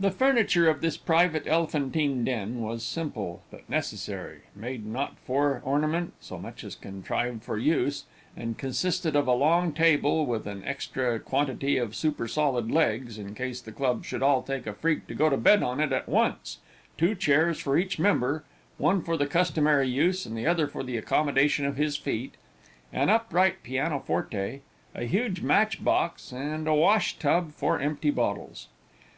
The furniture of this private elephantine den was simple, but necessary, made not for ornament, so much as contrived for use, and consisted of a long table, with an extra quantity of super solid legs, in case the club should all take a freak to go to bed on it at once two chairs for each member, one for the customary use, and the other for the accommodation of his feet, an upright piano forte, a huge match box, and a wash tub for empty bottles.